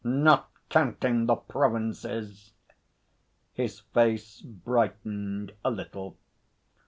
'Not counting the Provinces.' His face brightened a little.